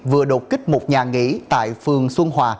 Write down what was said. vừa đột kích một nhà nghỉ tại phường xuân hòa